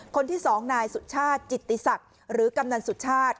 คนที่๒นายสุชาติจิตติศักดิ์หรือกำนันสุชาติ